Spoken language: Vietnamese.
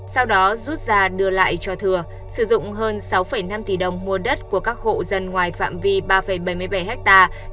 sau đó rút ra đưa lại cho thừa sử dụng hơn sáu năm tỷ đồng mua đất của các hộ dân ngoài phạm vi ba bảy mươi bảy hectare